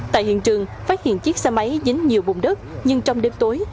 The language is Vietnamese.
tại hiện trường phát hiện chiếc xe máy dính nhiều bùn đất nhưng trong đêm tối